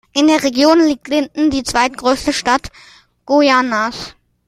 In der Region liegt Linden, die zweitgrößte Stadt Guyanas.